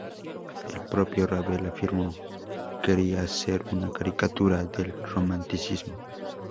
El propio Ravel afirmó: "Quería hacer una caricatura del Romanticismo.